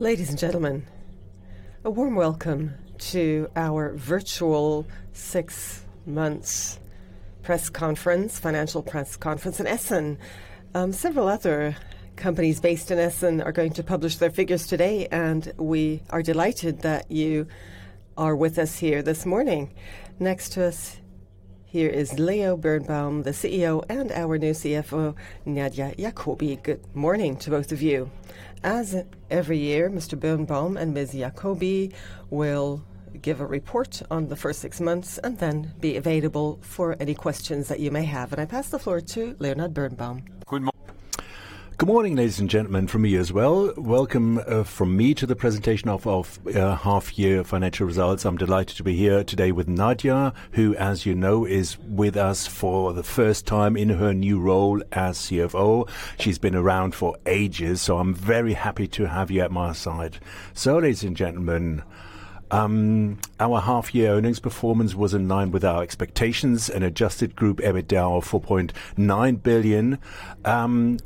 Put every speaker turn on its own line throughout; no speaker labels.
Ladies and gentlemen, a warm welcome to our virtual six months press conference, financial press conference in Essen. Several other companies based in Essen are going to publish their figures today, and we are delighted that you are with us here this morning. Next to us, here is Leonhard Birnbaum, the CEO, and our new CFO, Nadia Jakobi. Good morning to both of you. As every year, Mr. Birnbaum and Ms. Jakobi will give a report on the first six months, and then be available for any questions that you may have. I pass the floor to Leonhard Birnbaum.
Good morning, ladies and gentlemen, from me as well. Welcome from me to the presentation of half-year financial results. I'm delighted to be here today with Nadia, who, as you know, is with us for the first time in her new role as CFO. She's been around for ages, so I'm very happy to have you at my side. So, ladies and gentlemen, our half-year earnings performance was in line with our expectations, an Adjusted group EBITDA of 4.9 billion, and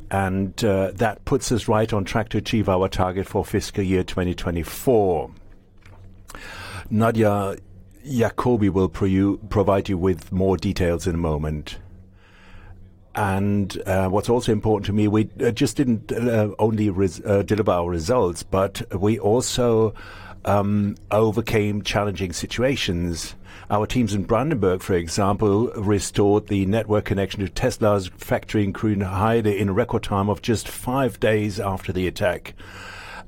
that puts us right on track to achieve our target for fiscal year 2024. Nadia Jakobi will provide you with more details in a moment. And what's also important to me, we just didn't only deliver our results, but we also overcame challenging situations. Our teams in Brandenburg, for example, restored the network connection to Tesla's factory in Grünheide in a record time of just 5 days after the attack.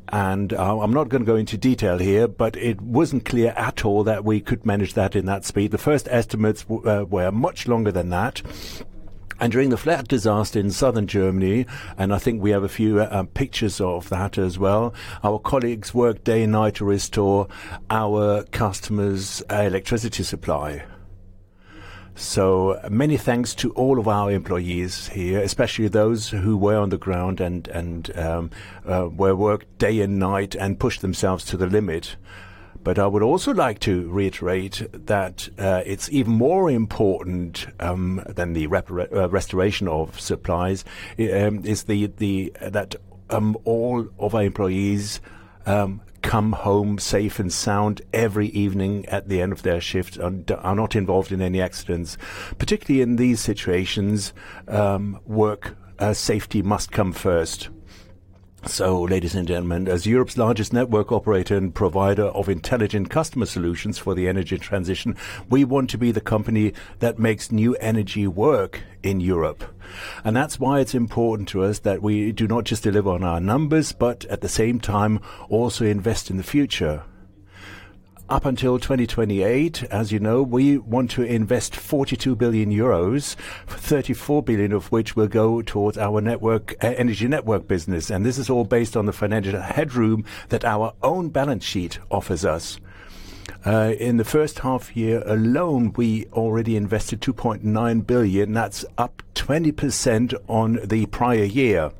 I'm not gonna go into detail here, but it wasn't clear at all that we could manage that in that speed. The first estimates were much longer than that, and during the flood disaster in southern Germany, and I think we have a few pictures of that as well, our colleagues worked day and night to restore our customers' electricity supply. So many thanks to all of our employees here, especially those who were on the ground and were working day and night and pushed themselves to the limit. But I would also like to reiterate that, it's even more important than the restoration of supplies is the, the... that all of our employees come home safe and sound every evening at the end of their shift and are not involved in any accidents. Particularly in these situations, work safety must come first. So, ladies and gentlemen, as Europe's largest network operator and provider of intelligent customer solutions for the energy transition, we want to be the company that makes new energy work in Europe. And that's why it's important to us that we do not just deliver on our numbers, but at the same time, also invest in the future. Up until 2028, as you know, we want to invest 42 billion euros, 34 billion of which will go towards our network, energy network business, and this is all based on the financial headroom that our own balance sheet offers us. In the first half year alone, we already invested 2.9 billion, that's up 20% on the prior year.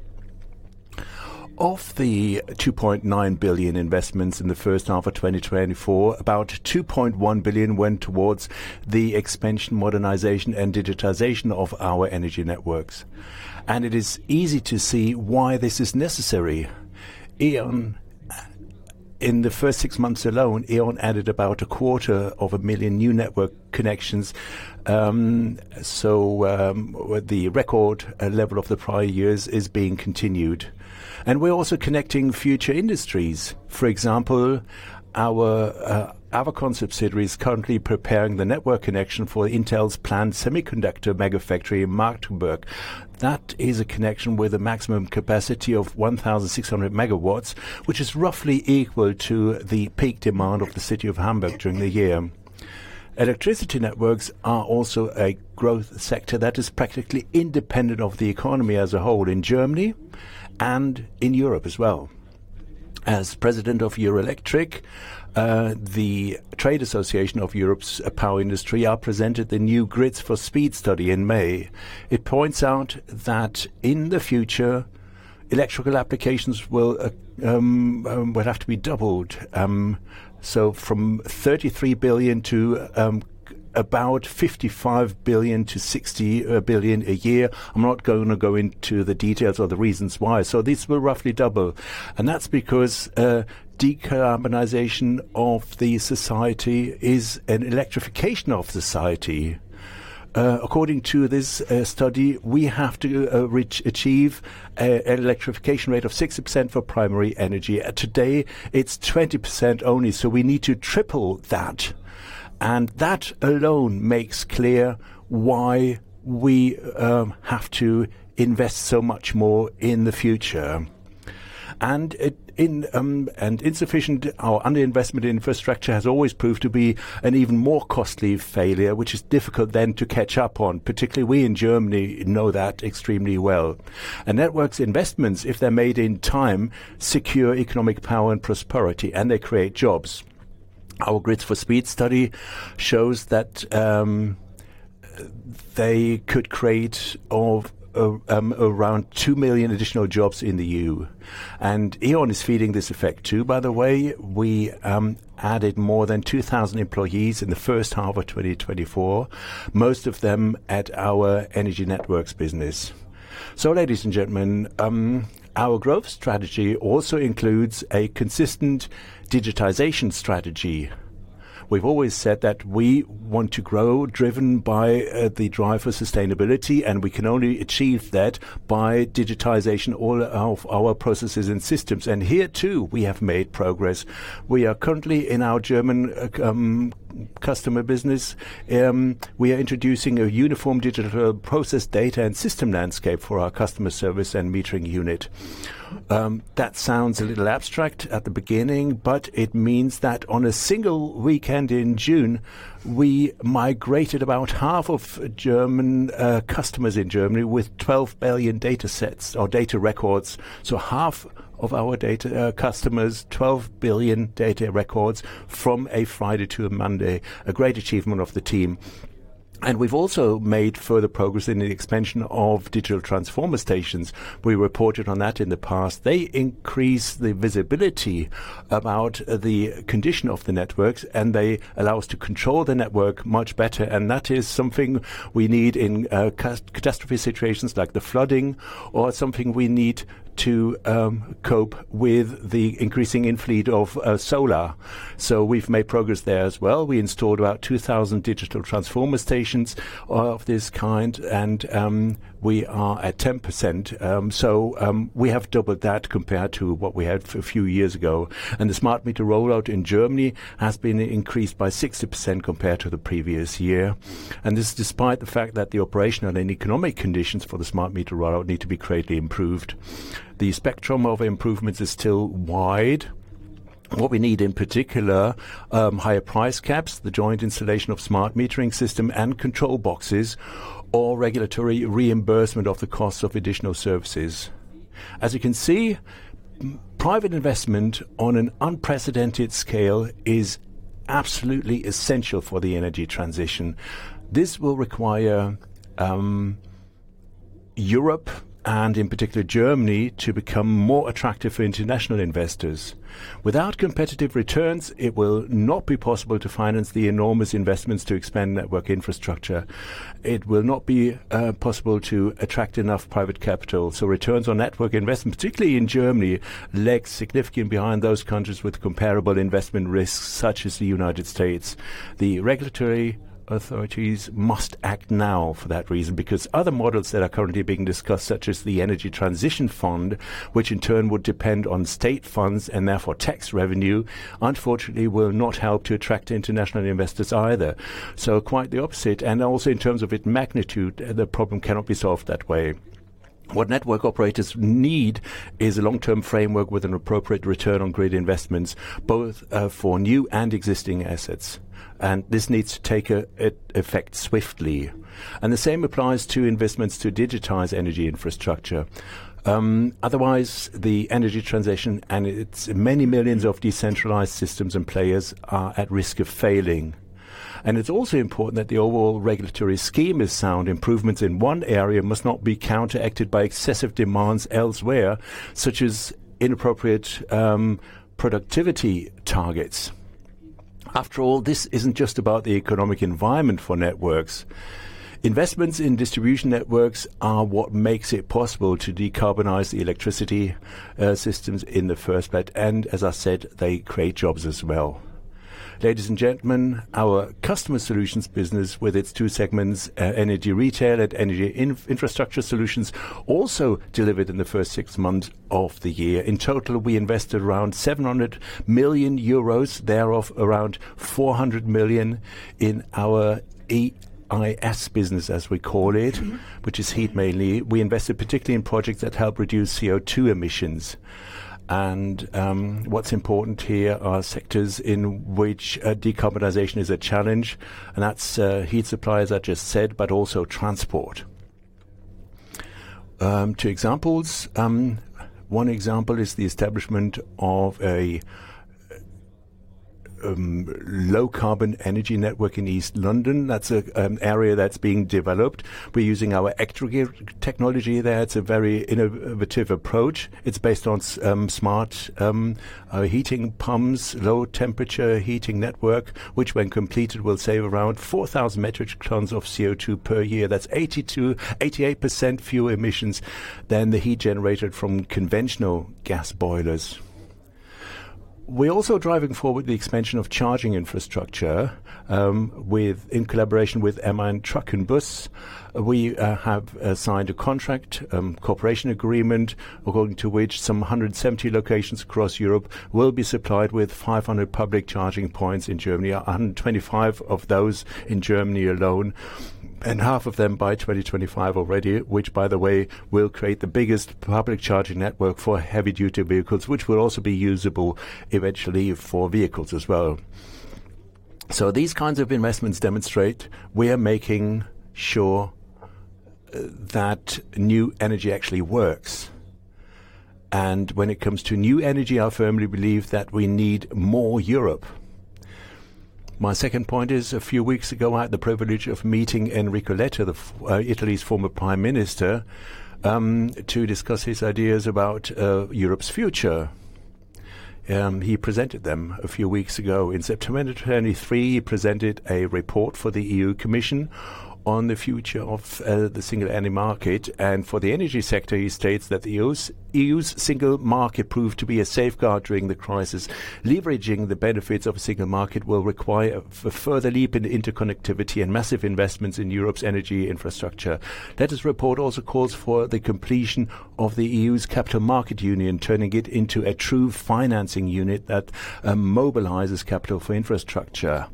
Of the 2.9 billion investments in the first half of 2024, about 2.1 billion went towards the expansion, modernization, and digitization of our energy networks. It is easy to see why this is necessary. E.ON, in the first six months alone, E.ON added about 250,000 new network connections, with the record level of the prior years is being continued. We're also connecting future industries. For example, our Avacon subsidiary is currently preparing the network connection for Intel's planned semiconductor mega factory in Magdeburg. That is a connection with a maximum capacity of 1,600 MW, which is roughly equal to the peak demand of the city of Hamburg during the year. Electricity networks are also a growth sector that is practically independent of the economy as a whole, in Germany and in Europe as well. As President of Eurelectric, the trade association of Europe's power industry, I presented the new Grids for Speed study in May. It points out that in the future, electrical applications will have to be doubled. So from 33 billion to about 55 billion-60 billion a year. I'm not going to go into the details or the reasons why. So these will roughly double, and that's because decarbonization of the society is an electrification of society. According to this study, we have to reach, achieve an electrification rate of 60% for primary energy. Today, it's 20% only, so we need to triple that, and that alone makes clear why we have to invest so much more in the future. And insufficient or underinvestment in infrastructure has always proved to be an even more costly failure, which is difficult then to catch up on. Particularly, we in Germany know that extremely well. And networks investments, if they're made in time, secure economic power and prosperity, and they create jobs. Our Grids for Speed study shows that they could create around 2 million additional jobs in the EU, and E.ON is feeling this effect, too, by the way. We added more than 2,000 employees in the first half of 2024, most of them at our Energy Networks business. So, ladies and gentlemen, our growth strategy also includes a consistent digitization strategy... We've always said that we want to grow, driven by the drive for sustainability, and we can only achieve that by digitization all of our processes and systems. Here, too, we have made progress. We are currently in our German customer business. We are introducing a uniform digital process, data, and system landscape for our customer service and metering unit. That sounds a little abstract at the beginning, but it means that on a single weekend in June, we migrated about half of German customers in Germany with 12 billion data sets or data records. Half of our data customers, 12 billion data records from a Friday to a Monday. A great achievement of the team. We've also made further progress in the expansion of digital transformer stations. We reported on that in the past. They increase the visibility about the condition of the networks, and they allow us to control the network much better, and that is something we need in catastrophe situations like the flooding, or something we need to cope with the increasing inflow of solar. So we've made progress there as well. We installed about 2,000 digital transformer stations of this kind, and we are at 10%. We have doubled that compared to what we had a few years ago, and the smart meter rollout in Germany has been increased by 60% compared to the previous year. And this, despite the fact that the operational and economic conditions for the smart meter rollout need to be greatly improved. The spectrum of improvements is still wide. What we need, in particular, higher price caps, the joint installation of smart metering system and control boxes or regulatory reimbursement of the costs of additional services. As you can see, private investment on an unprecedented scale is absolutely essential for the energy transition. This will require, Europe, and in particular Germany, to become more attractive for international investors. Without competitive returns, it will not be possible to finance the enormous investments to expand network infrastructure. It will not be, possible to attract enough private capital. So returns on network investment, particularly in Germany, lag significant behind those countries with comparable investment risks, such as the United States. The regulatory authorities must act now for that reason, because other models that are currently being discussed, such as the Energy Transition Fund, which in turn would depend on state funds and therefore tax revenue, unfortunately, will not help to attract international investors either. So quite the opposite, and also in terms of its magnitude, the problem cannot be solved that way. What network operators need is a long-term framework with an appropriate return on grid investments, both, for new and existing assets. And this needs to take effect swiftly. And the same applies to investments to digitize energy infrastructure. Otherwise, the energy transition and its many millions of decentralized systems and players are at risk of failing. And it's also important that the overall regulatory scheme is sound. Improvements in one area must not be counteracted by excessive demands elsewhere, such as inappropriate, productivity targets. After all, this isn't just about the economic environment for networks. Investments in distribution networks are what makes it possible to decarbonize the electricity systems in the first place, and as I said, they create jobs as well. Ladies and gentlemen, our customer solutions business, with its two segments, Energy Retail and Energy Infrastructure Solutions, also delivered in the first six months of the year. In total, we invested around 700 million euros, thereof, around 400 million in our EIS business, as we call it, which is heat, mainly. We invested particularly in projects that help reduce CO2 emissions. What's important here are sectors in which decarbonization is a challenge, and that's heat suppliers, I just said, but also transport. Two examples. One example is the establishment of a low-carbon energy network in East London. That's an area that's being developed. We're using our ectogrid technology there. It's a very innovative approach. It's based on smart heating pumps, low temperature heating network, which, when completed, will save around 4,000 metric tons of CO2 per year. That's 80%-88% fewer emissions than the heat generated from conventional gas boilers. We're also driving forward the expansion of charging infrastructure in collaboration with MAN Truck and Bus. We have signed a contract cooperation agreement, according to which 170 locations across Europe will be supplied with 500 public charging points in Germany, 125 of those in Germany alone, and half of them by 2025 already, which, by the way, will create the biggest public charging network for heavy-duty vehicles, which will also be usable eventually for vehicles as well. So these kinds of investments demonstrate we are making sure that new energy actually works. And when it comes to new energy, I firmly believe that we need more Europe. My second point is, a few weeks ago, I had the privilege of meeting Enrico Letta, Italy's former Prime Minister, to discuss his ideas about Europe's future. He presented them a few weeks ago. In September 2023, he presented a report for the EU Commission on the future of the single energy market, and for the energy sector, he states that the EU's single market proved to be a safeguard during the crisis. Leveraging the benefits of a single market will require a further leap in interconnectivity and massive investments in Europe's energy infrastructure. That is, report also calls for the completion of the EU's Capital Market Union, turning it into a true financing unit that mobilizes capital for infrastructure.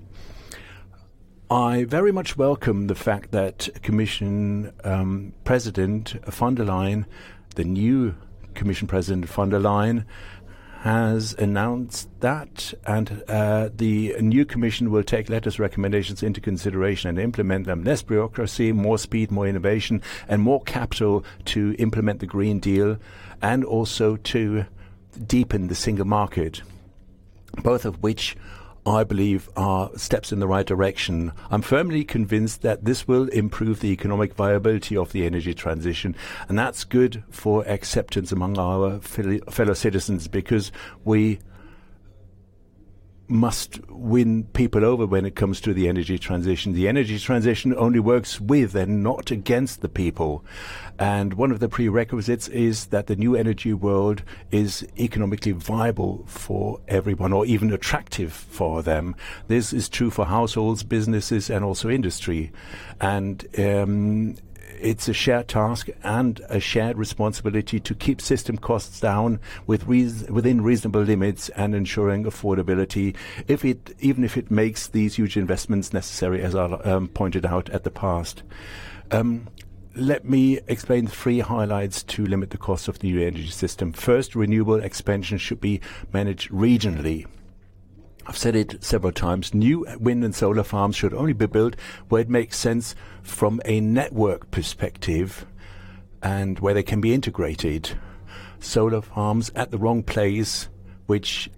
I very much welcome the fact that Commission President von der Leyen, the new Commission President von der Leyen, has announced that and the new commission will take Letta's's recommendations into consideration and implement them. Less bureaucracy, more speed, more innovation, and more capital to implement the Green Deal, and also to deepen the single market, both of which I believe are steps in the right direction. I'm firmly convinced that this will improve the economic viability of the energy transition, and that's good for acceptance among our fellow citizens, because we must win people over when it comes to the energy transition. The energy transition only works with and not against the people, and one of the prerequisites is that the new energy world is economically viable for everyone or even attractive for them. This is true for households, businesses, and also industry. It's a shared task and a shared responsibility to keep system costs down within reasonable limits and ensuring affordability. Even if it makes these huge investments necessary, as I've pointed out in the past. Let me explain the three highlights to limit the cost of the new energy system. First, renewable expansion should be managed regionally. I've said it several times: new wind and solar farms should only be built where it makes sense from a network perspective and where they can be integrated. Solar farms at the wrong place, which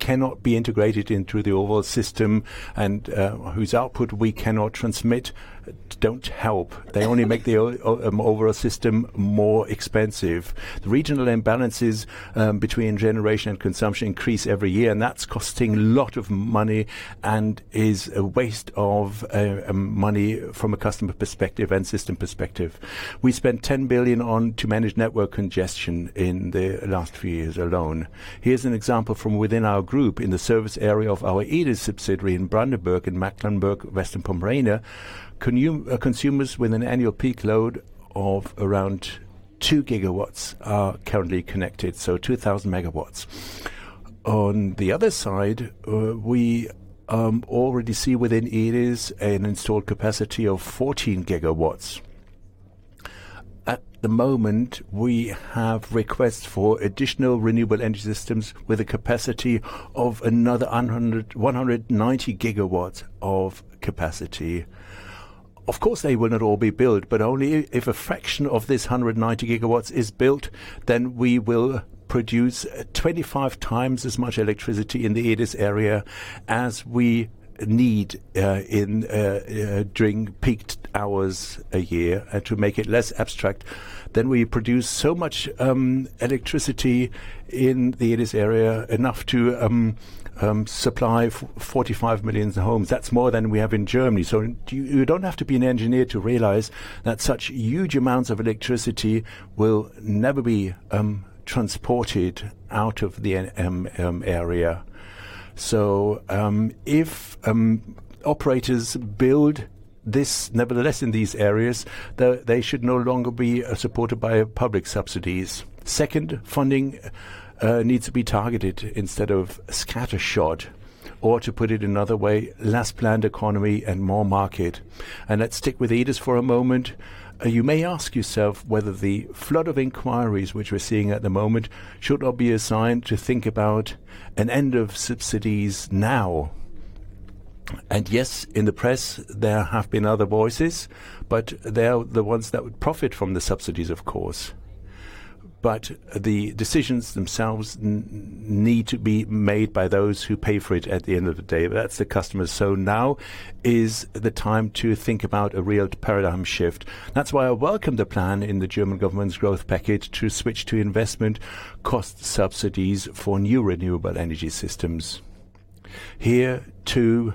cannot be integrated into the overall system and whose output we cannot transmit, don't help. They only make the overall system more expensive. The regional imbalances between generation and consumption increase every year, and that's costing a lot of money and is a waste of money from a customer perspective and system perspective. We spent 10 billion on to manage network congestion in the last few years alone. Here's an example from within our group. In the service area of our E.DIS subsidiary in Brandenburg and Mecklenburg-Western Pomerania, consumers with an annual peak load of around 2 GW are currently connected, so 2,000 MW. On the other side, we already see within E.DIS an installed capacity of 14 GW. At the moment, we have requests for additional renewable energy systems with a capacity of another 190 GW of capacity. Of course, they will not all be built, but only if a fraction of this 190 GW is built, then we will produce 25 times as much electricity in the E.DIS area as we need in during peak hours a year. To make it less abstract, then we produce so much electricity in the E.DIS area, enough to supply 45 million homes. That's more than we have in Germany. So you, you don't have to be an engineer to realize that such huge amounts of electricity will never be transported out of the area. So, if operators build this, nevertheless, in these areas, they should no longer be supported by public subsidies. Second, funding needs to be targeted instead of scattershot, or to put it another way, less planned economy and more market. Let's stick with E.DIS for a moment. You may ask yourself whether the flood of inquiries, which we're seeing at the moment, should not be a sign to think about an end of subsidies now. Yes, in the press, there have been other voices, but they are the ones that would profit from the subsidies, of course. But the decisions themselves need to be made by those who pay for it at the end of the day. That's the customers. So now is the time to think about a real paradigm shift. That's why I welcome the plan in the German government's growth package to switch to investment cost subsidies for new renewable energy systems. Here, too,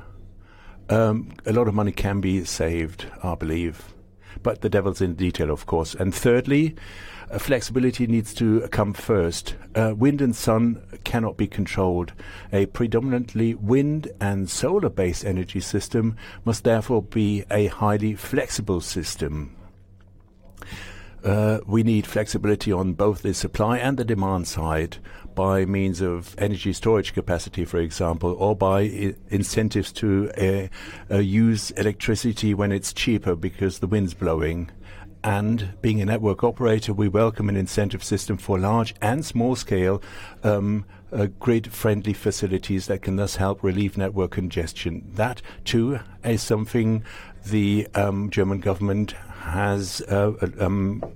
a lot of money can be saved, I believe, but the devil's in the detail, of course. And thirdly, flexibility needs to come first. Wind and sun cannot be controlled. A predominantly wind and solar-based energy system must therefore be a highly flexible system. We need flexibility on both the supply and the demand side by means of energy storage capacity, for example, or by incentives to use electricity when it's cheaper because the wind's blowing. And being a network operator, we welcome an incentive system for large and small scale grid-friendly facilities that can thus help relieve network congestion. That, too, is something the German government has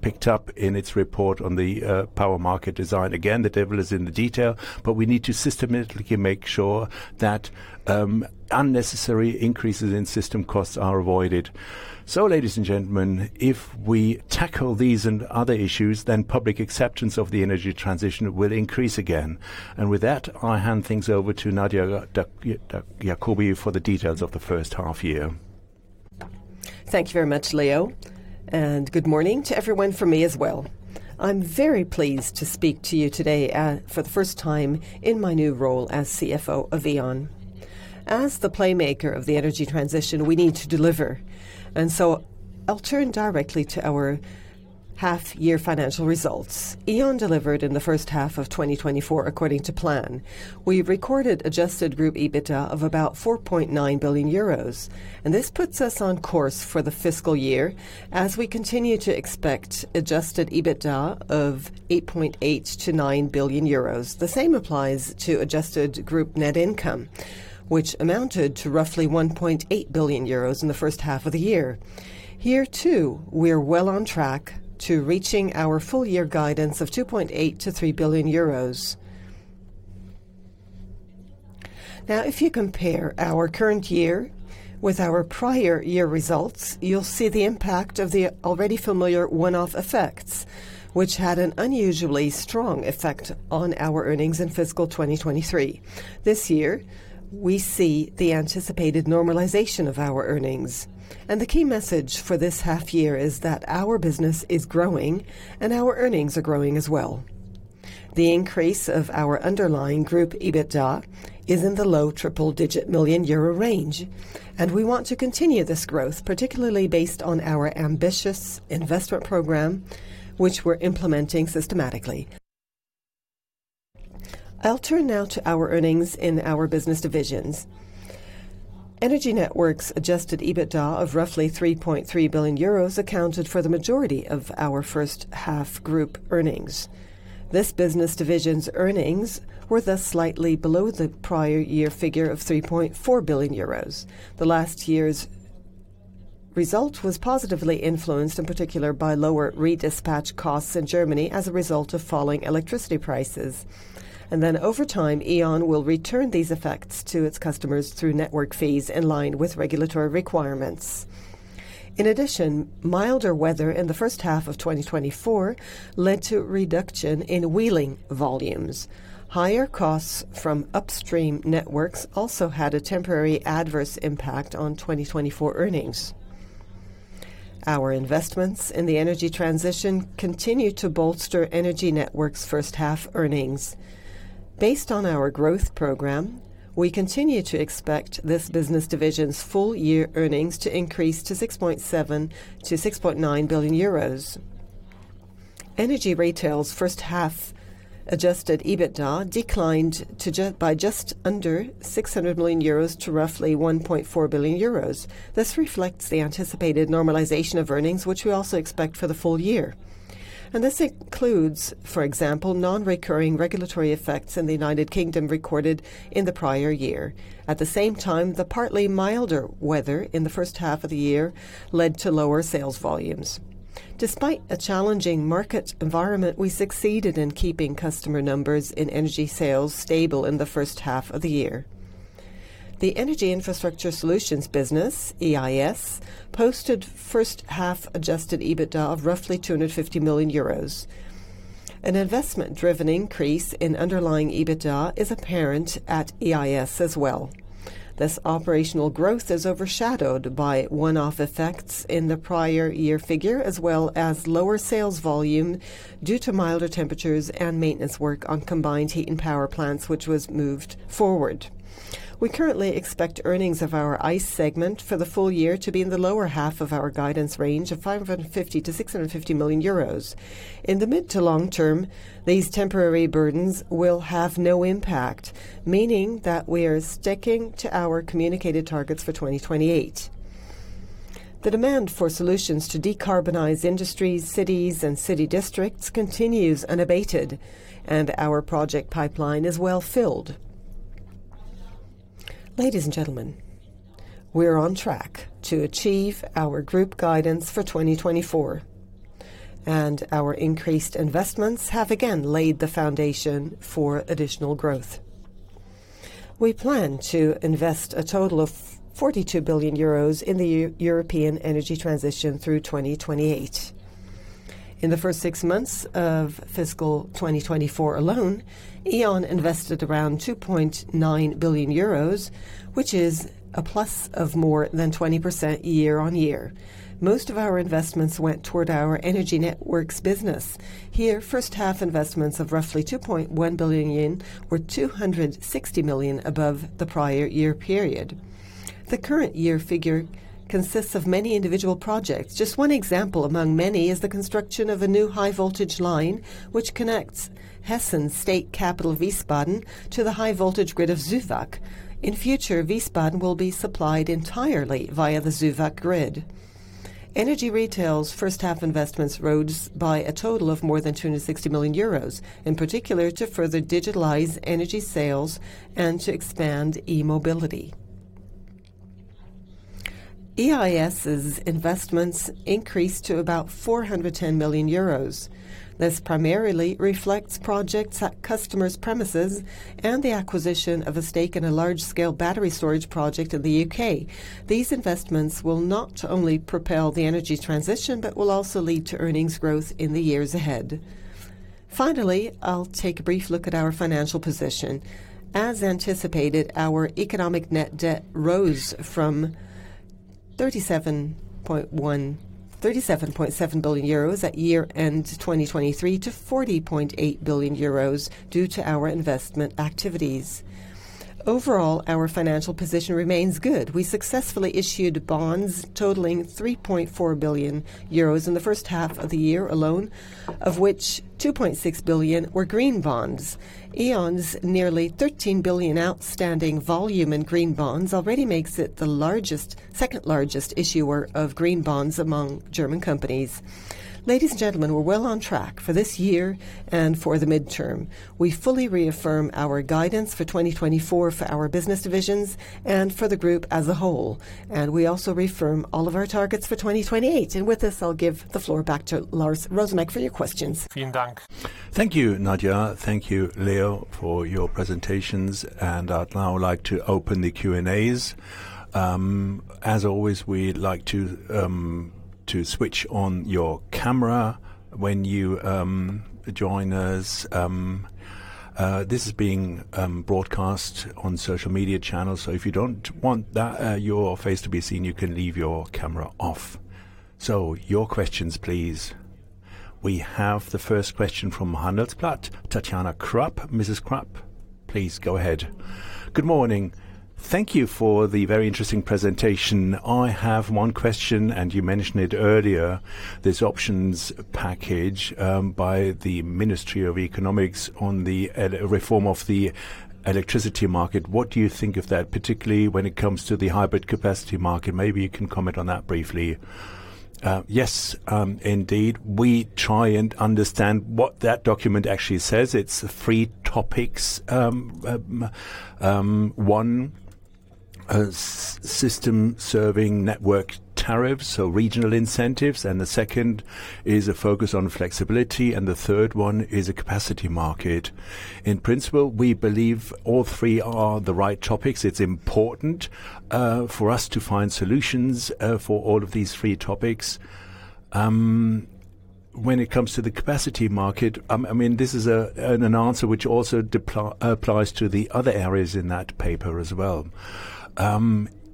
picked up in its report on the power market design. Again, the devil is in the detail, but we need to systematically make sure that unnecessary increases in system costs are avoided. So, ladies and gentlemen, if we tackle these and other issues, then public acceptance of the energy transition will increase again. And with that, I hand things over to Nadia Jakobi for the details of the first half year.
...Thank you very much, Leo, and good morning to everyone from me as well. I'm very pleased to speak to you today, for the first time in my new role as CFO of E.ON. As the playmaker of the energy transition, we need to deliver, and so I'll turn directly to our half-year financial results. E.ON delivered in the first half of 2024, according to plan. We recorded Adjusted group EBITDA of about 4.9 billion euros, and this puts us on course for the fiscal year as we continue to expect Adjusted EBITDA of 8.8-9 billion euros. The same applies to adjusted group net income, which amounted to roughly 1.8 billion euros in the first half of the year. Here, too, we're well on track to reaching our full year guidance of 2.8-3 billion euros. Now, if you compare our current year with our prior year results, you'll see the impact of the already familiar one-off effects, which had an unusually strong effect on our earnings in fiscal 2023. This year, we see the anticipated normalization of our earnings, and the key message for this half year is that our business is growing and our earnings are growing as well. The increase of our underlying group EBITDA is in the low triple-digit million euro range, and we want to continue this growth, particularly based on our ambitious investment program, which we're implementing systematically. I'll turn now to our earnings in our business divisions. Energy Networks Adjusted EBITDA of roughly 3.3 billion euros accounted for the majority of our first-half group earnings. This business division's earnings were thus slightly below the prior year figure of 3.4 billion euros. The last year's result was positively influenced, in particular, by lower redispatch costs in Germany as a result of falling electricity prices. Then over time, E.ON will return these effects to its customers through network fees in line with regulatory requirements. In addition, milder weather in the first half of 2024 led to a reduction in wheeling volumes. Higher costs from upstream networks also had a temporary adverse impact on 2024 earnings. Our investments in the energy transition continue to bolster Energy Networks' first-half earnings. Based on our growth program, we continue to expect this business division's full-year earnings to increase to 6.7 billion-6.9 billion euros. Energy Retail's first-half Adjusted EBITDA declined by just under 600 million euros to roughly 1.4 billion euros. This reflects the anticipated normalization of earnings, which we also expect for the full year. This includes, for example, non-recurring regulatory effects in the United Kingdom, recorded in the prior year. At the same time, the partly milder weather in the first half of the year led to lower sales volumes. Despite a challenging market environment, we succeeded in keeping customer numbers in energy sales stable in the first half of the year. The Energy Infrastructure Solutions business, EIS, posted first-half Adjusted EBITDA of roughly 250 million euros. An investment-driven increase in underlying EBITDA is apparent at EIS as well. This operational growth is overshadowed by one-off effects in the prior year figure, as well as lower sales volume due to milder temperatures and maintenance work on combined heat and power plants, which was moved forward. We currently expect earnings of our EIS segment for the full year to be in the lower half of our guidance range of 550 million-650 million euros. In the mid to long term, these temporary burdens will have no impact, meaning that we are sticking to our communicated targets for 2028. The demand for solutions to decarbonize industries, cities, and city districts continues unabated, and our project pipeline is well filled. Ladies and gentlemen, we're on track to achieve our group guidance for 2024, and our increased investments have again laid the foundation for additional growth. We plan to invest a total of 42 billion euros in the European energy transition through 2028. In the first six months of fiscal 2024 alone, E.ON invested around 2.9 billion euros, which is a +20% year-on-year. Most of our investments went toward our energy networks business. Here, first-half investments of roughly EUR 2.1 billion were 260 million above the prior year period. The current year figure consists of many individual projects. Just one example among many is the construction of a new high-voltage line, which connects Hessen state capital, Wiesbaden, to the high-voltage grid of Süwag. In future, Wiesbaden will be supplied entirely via the Süwag grid. Energy Retail's first-half investments rose by a total of more than 260 million euros, in particular, to further digitalize energy sales and to expand e-mobility. EIS's investments increased to about 410 million euros. This primarily reflects projects at customers' premises and the acquisition of a stake in a large-scale battery storage project in the UK. These investments will not only propel the energy transition, but will also lead to earnings growth in the years ahead. Finally, I'll take a brief look at our financial position. As anticipated, our economic net debt rose from 37.7 billion euros at year-end 2023, to 40.8 billion euros due to our investment activities. Overall, our financial position remains good. We successfully issued bonds totaling 3.4 billion euros in the first half of the year alone, of which 2.6 billion were green bonds. E.ON's nearly 13 billion outstanding volume in green bonds already makes it the second largest issuer of green bonds among German companies. Ladies and gentlemen, we're well on track for this year and for the midterm. We fully reaffirm our guidance for 2024 for our business divisions and for the group as a whole, and we also reaffirm all of our targets for 2028. With this, I'll give the floor back to Lars Rosumek for your questions.
Thank you, Nadia. Thank you, Leo, for your presentations, and I'd now like to open the Q&As. As always, we'd like to switch on your camera when you join us. This is being broadcast on social media channels, so if you don't want that, your face to be seen, you can leave your camera off. So your questions, please. We have the first question from Handelsblatt, Catiana Krapp. Mrs. Krapp, please go ahead.
Good morning. Thank you for the very interesting presentation. I have one question, and you mentioned it earlier, this options package by the Ministry of Economics on the EEG reform of the electricity market. What do you think of that, particularly when it comes to the hybrid capacity market? Maybe you can comment on that briefly.
Yes, indeed, we try and understand what that document actually says. It's three topics. One, a system serving network tariffs, so regional incentives, and the second is a focus on flexibility, and the third one is a capacity market. In principle, we believe all three are the right topics. It's important for us to find solutions for all of these three topics. When it comes to the capacity market, I mean, this is an answer which also applies to the other areas in that paper as well.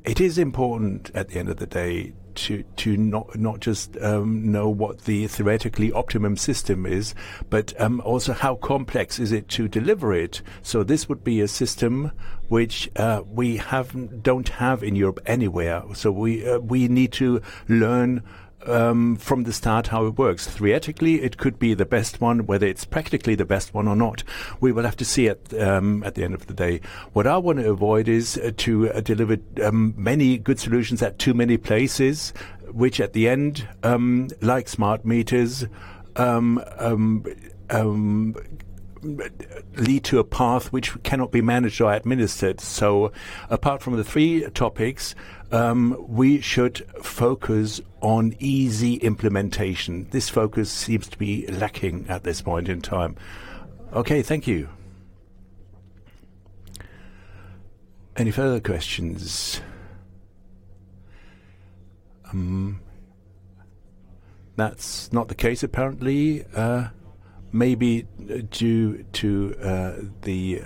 It is important at the end of the day to not just know what the theoretically optimum system is, but also how complex is it to deliver it. So this would be a system which we have... don't have in Europe anywhere, so we, we need to learn, from the start how it works. Theoretically, it could be the best one. Whether it's practically the best one or not, we will have to see at, at the end of the day. What I want to avoid is, to, deliver, many good solutions at too many places, which at the end, like smart meters, lead to a path which cannot be managed or administered. So apart from the three topics, we should focus on easy implementation. This focus seems to be lacking at this point in time.
Okay, thank you.
Any further questions? That's not the case, apparently, maybe due to, the,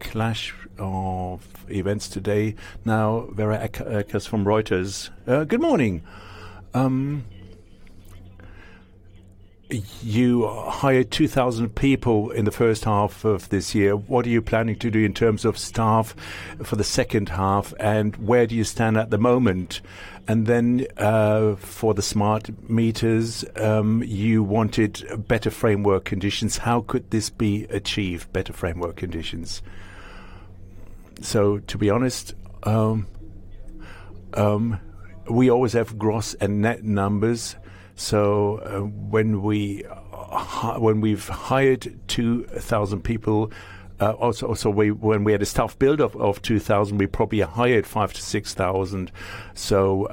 clash of events today. Now, Vera Eckert from Reuters. Good morning. You hired 2,000 people in the first half of this year. What are you planning to do in terms of staff for the second half, and where do you stand at the moment? And then, for the smart meters, you wanted better framework conditions. How could this be achieved, better framework conditions?
So to be honest, we always have gross and net numbers, so, when we've hired 2,000 people, also, when we had a staff build of 2,000, we probably hired 5,000-6,000. So,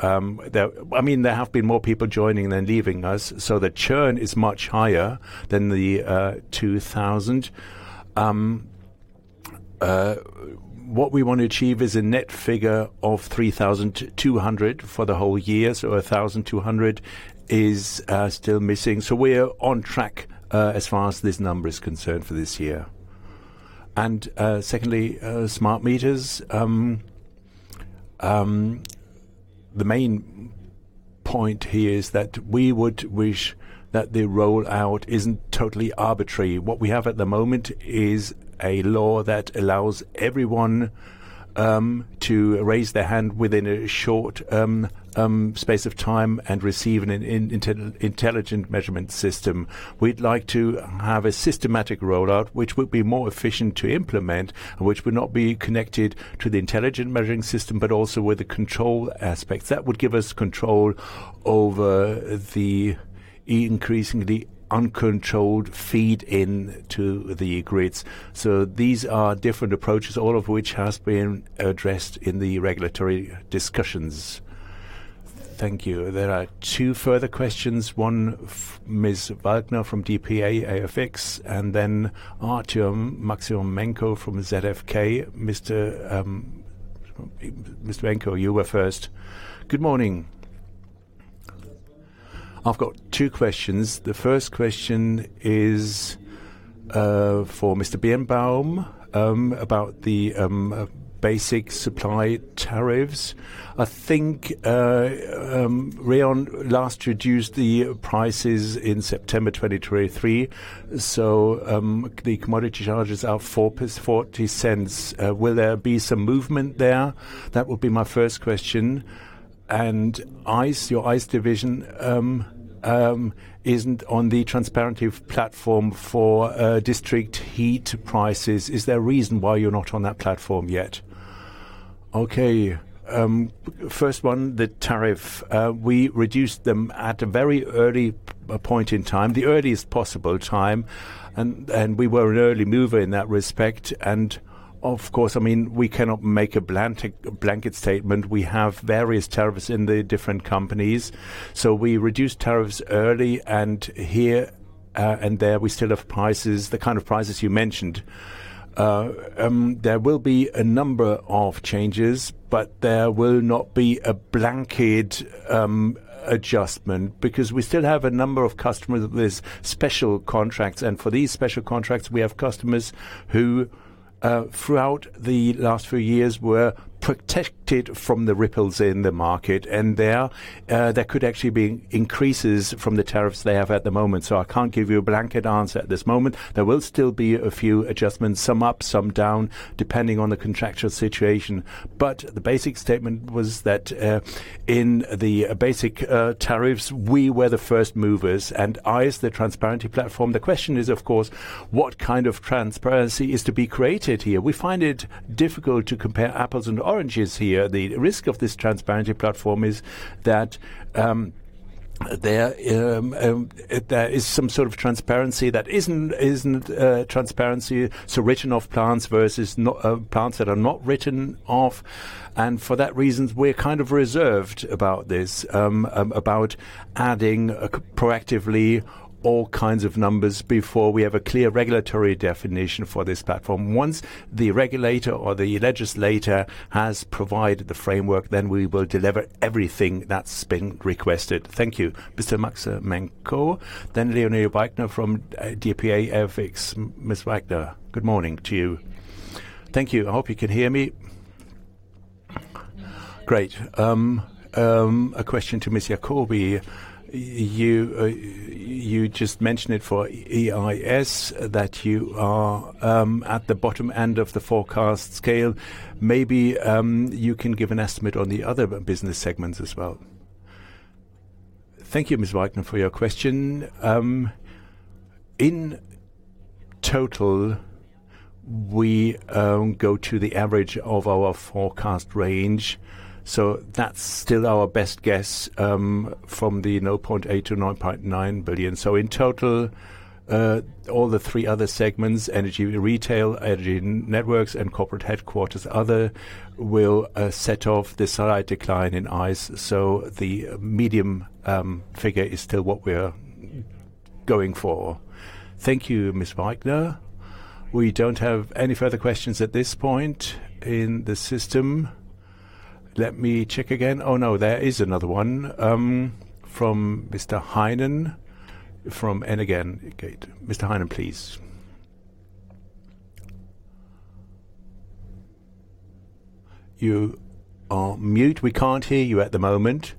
I mean, there have been more people joining than leaving us, so the churn is much higher than the 2,000. What we want to achieve is a net figure of 3,200 for the whole year, so 1,200 is still missing. So we're on track as far as this number is concerned for this year. And secondly, smart meters. The main point here is that we would wish that the rollout isn't totally arbitrary. What we have at the moment is a law that allows everyone to raise their hand within a short space of time and receive an intelligent measurement system. We'd like to have a systematic rollout, which would be more efficient to implement, which would not be connected to the intelligent measuring system, but also with the control aspects. That would give us control over the increasingly uncontrolled feed into the grids. So these are different approaches, all of which has been addressed in the regulatory discussions.
Thank you. There are two further questions. One, F- Ms. Wagner from dpa-AFX and then Artem Maksimenko from ZfK. Mr. Maksimenko, you were first. Good morning. ... I've got two questions. The first question is, for Mr. Birnbaum, about the basic supply tariffs. I think, Rhein last reduced the prices in September 2023. So, the commodity charges are 0.40. Will there be some movement there? That would be my first question. And EIS, your EIS division, isn't on the transparency platform for district heat prices. Is there a reason why you're not on that platform yet?
Okay, first one, the tariff. We reduced them at a very early point in time, the earliest possible time, and we were an early mover in that respect. And of course, I mean, we cannot make a blanket statement. We have various tariffs in the different companies, so we reduced tariffs early, and here and there, we still have prices, the kind of prices you mentioned. There will be a number of changes, but there will not be a blanket adjustment, because we still have a number of customers with special contracts, and for these special contracts, we have customers who, throughout the last few years, were protected from the ripples in the market, and there could actually be increases from the tariffs they have at the moment, so I can't give you a blanket answer at this moment. There will still be a few adjustments, some up, some down, depending on the contractual situation. But the basic statement was that, in the basic tariffs, we were the first movers and EIS, the transparency platform. The question is, of course, what kind of transparency is to be created here? We find it difficult to compare apples and oranges here. The risk of this transparency platform is that there is some sort of transparency that isn't transparency, so written-off plants versus not plants that are not written off. And for that reason, we're kind of reserved about this about adding proactively all kinds of numbers before we have a clear regulatory definition for this platform. Once the regulator or the legislator has provided the framework, then we will deliver everything that's been requested. Thank you, Mr. Maksimenko, then Leonie Wagner from dpa-AFX. Ms. Wagner, good morning to you.
Thank you. I hope you can hear me. Great. A question to Mr. Jakobi. You just mentioned it for EIS, that you are at the bottom end of the forecast scale. Maybe you can give an estimate on the other business segments as well.
Thank you, Ms. Wagner, for your question. In total, we go to the average of our forecast range, so that's still our best guess from the 9.8 billion-9.9 billion. So in total, all the three other segments, Energy Retail, Energy Networks, and corporate headquarters, other, will set off the slight decline in EIS. So the medium figure is still what we are going for. Thank you, Ms. Wagner. We don't have any further questions at this point in the system. Let me check again. Oh, no, there is another one from Mr. Heinen, from energate. Mr. Heinen, please. You are on mute. We can't hear you at the moment.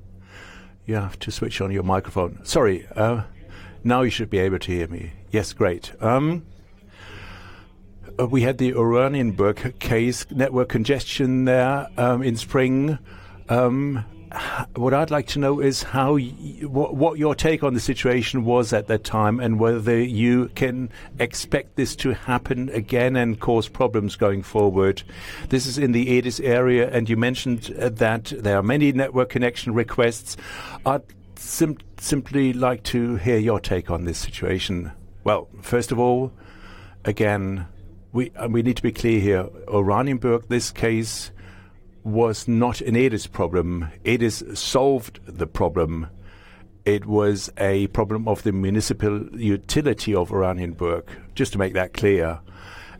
You have to switch on your microphone. Sorry, now you should be able to hear me. Yes, great. We had the Oranienburg case network congestion there in spring. What I'd like to know is how... what your take on the situation was at that time, and whether you can expect this to happen again and cause problems going forward. This is in the E.DIS area, and you mentioned that there are many network connection requests. I'd simply like to hear your take on this situation. Well, first of all, again, we, we need to be clear here. Oranienburg, this case was not an E.DIS problem. E.DIS solved the problem. It was a problem of the municipal utility of Oranienburg, just to make that clear.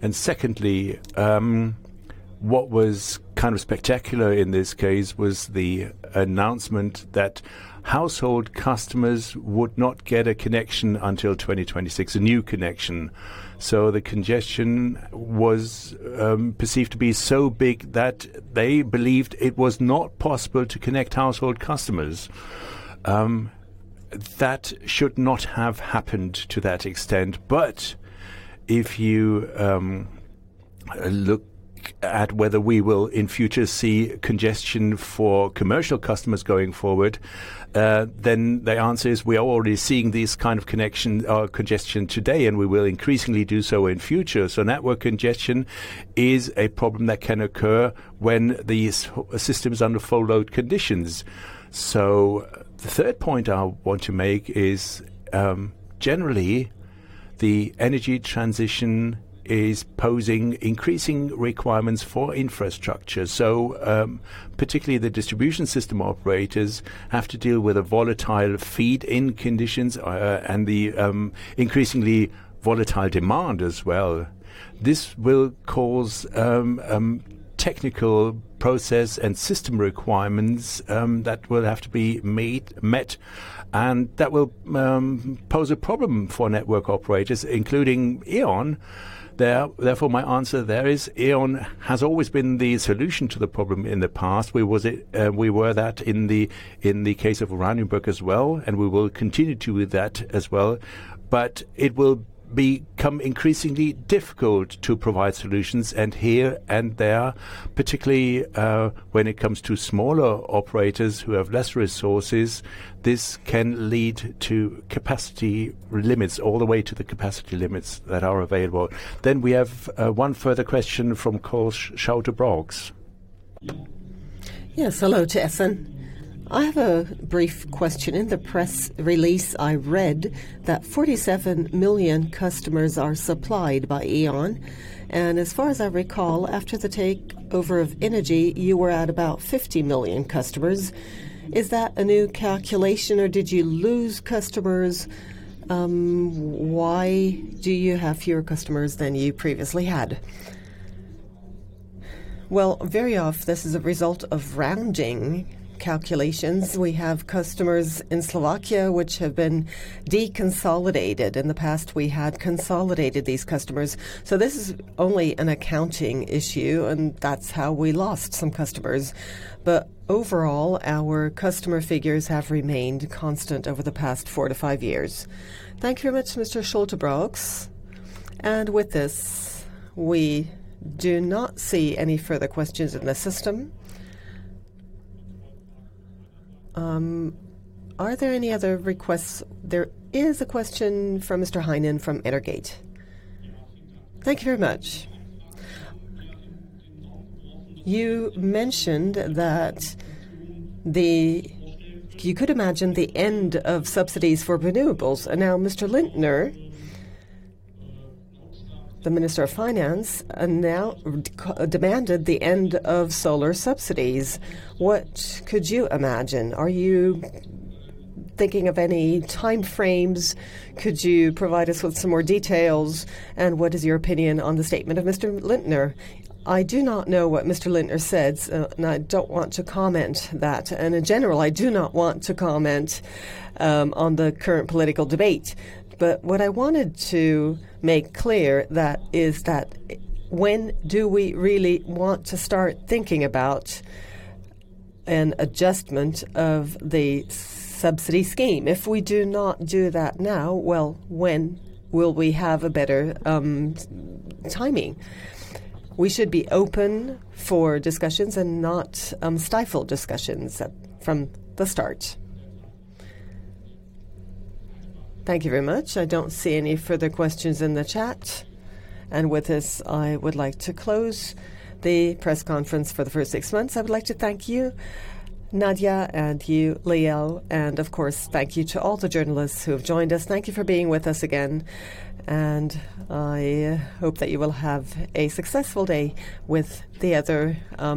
And secondly, what was kind of spectacular in this case was the announcement that household customers would not get a connection until 2026, a new connection. So the congestion was perceived to be so big that they believed it was not possible to connect household customers. That should not have happened to that extent, but if you look at whether we will, in future, see congestion for commercial customers going forward, then the answer is: we are already seeing these kind of connection, or congestion today, and we will increasingly do so in future. So network congestion is a problem that can occur when the system is under full load conditions. So the third point I want to make is, generally-
...The energy transition is posing increasing requirements for infrastructure. So, particularly the distribution system operators have to deal with a volatile feed-in conditions, and the increasingly volatile demand as well. This will cause technical process and system requirements that will have to be made, met, and that will pose a problem for network operators, including E.ON. Therefore, my answer there is, E.ON has always been the solution to the problem in the past. We were that in the case of Oranienburg as well, and we will continue to be that as well. But it will become increasingly difficult to provide solutions, and here and there, particularly, when it comes to smaller operators who have less resources, this can lead to capacity limits, all the way to the capacity limits that are available. We have one further question from Cor Schulte Brancs.
Yes, hello, Teyssen. I have a brief question. In the press release, I read that 47 million customers are supplied by E.ON, and as far as I recall, after the takeover of Innogy, you were at about 50 million customers. Is that a new calculation, or did you lose customers? Why do you have fewer customers than you previously had?
Well, very off, this is a result of rounding calculations. We have customers in Slovakia, which have been deconsolidated. In the past, we had consolidated these customers, so this is only an accounting issue, and that's how we lost some customers. But overall, our customer figures have remained constant over the past 4-5 years.
Thank you very much, Mr. Schulte Brancs. With this, we do not see any further questions in the system. Are there any other requests? There is a question from Mr. Heinen from Energate. Thank you very much. You mentioned that the... you could imagine the end of subsidies for renewables, and now Mr. Lindner, the Minister of Finance, demanded the end of solar subsidies. What could you imagine? Are you thinking of any time frames? Could you provide us with some more details, and what is your opinion on the statement of Mr. Lindner?
I do not know what Mr. Lindner said, so and I don't want to comment that, and in general, I do not want to comment on the current political debate. But what I wanted to make clear that is that when do we really want to start thinking about an adjustment of the subsidy scheme? If we do not do that now, well, when will we have a better timing? We should be open for discussions and not stifle discussions from the start.
Thank you very much. I don't see any further questions in the chat, and with this, I would like to close the press conference for the first six months. I would like to thank you, Nadia, and you, Leo, and of course, thank you to all the journalists who have joined us. Thank you for being with us again, and I hope that you will have a successful day with the other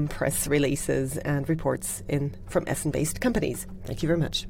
press releases and reports in, from Essen-based companies. Thank you very much.